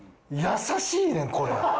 優しいねんこれ。